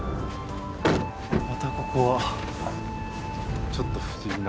またここはちょっと不思議な。